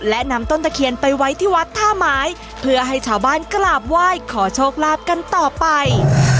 และนำต้นตะเคียนไปไว้ที่วัดท่าไม้เพื่อให้ชาวบ้านกราบไหว้ขอโชคลาภกันต่อไป